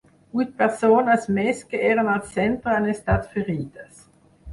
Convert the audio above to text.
Vuit persones més que eren al centre han estat ferides.